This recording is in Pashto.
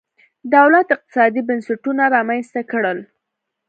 دولت اقتصادي بنسټونه رامنځته کړل.